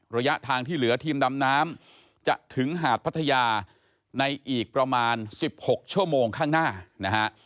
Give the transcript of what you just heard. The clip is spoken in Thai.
ระยะทางที่เหลือทีมดำน้ำจะถึงหาดพัทยาในอีกประมาณ๑๖ชั่วโมงข้างหน้านะฮะ